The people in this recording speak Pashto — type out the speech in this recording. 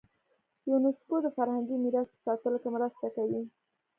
یونسکو د فرهنګي میراث په ساتلو کې مرسته کوي.